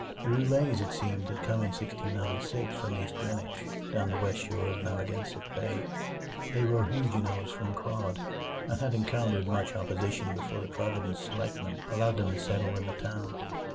The Roulets, it seemed, had come in 1696 from East Greenwich, down the west shore of Narragansett Bay. They were Huguenots from Caude, and had encountered much opposition before the Providence selectmen allowed them to settle in the town.